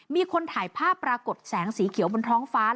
มีคนถ่ายภาพปรากฏแสงสีเขียวบนท้องฟ้า